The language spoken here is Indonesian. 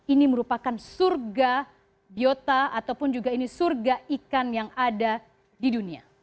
ini merupakan surga biota ataupun juga ini surga ikan yang ada di dunia